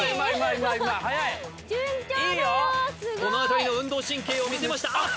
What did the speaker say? このあたりの運動神経を見せましたあっと！